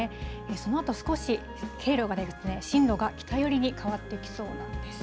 そのあと少し経路が進路が北寄りに変わってきそうなんです。